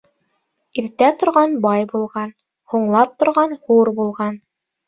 Иртә торған бай булған, Һуңлап торған хур булған.